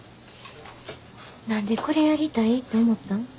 何でこれやりたいって思ったん？